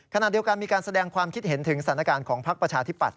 ขณะเดียวกันมีการแสดงความคิดเห็นถึงสถานการณ์ของพักประชาธิปัตย